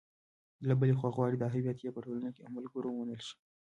له بلې خوا غواړي دا هویت یې په ټولنه او ملګرو ومنل شي.